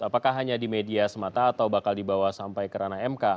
apakah hanya di media semata atau bakal dibawa sampai kerana mk